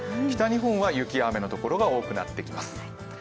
北日本は雪や雨のところが多くなってきます。